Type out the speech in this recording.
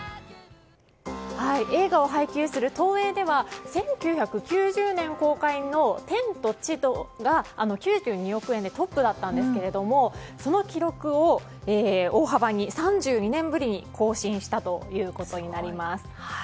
映画を配給する東映では１９９０年公開の「天と地と」が９２億円でトップだったんですけどもその記録を大幅に３２年ぶりに更新したということになります。